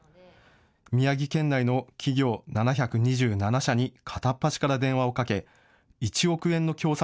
宮城県内の企業７２７社に片っ端から電話をかけ１億円の協賛